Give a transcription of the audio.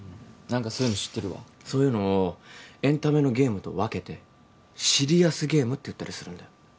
何かそういうの知ってるわそういうのをエンタメのゲームと分けてシリアスゲームって言ったりするんだよ